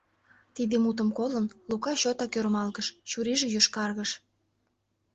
Тиде мутым колын, Лука чотак ӧрмалгыш, чурийже йошкаргыш.